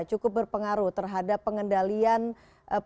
cukup berpengaruh terhadap pengendalian penyakit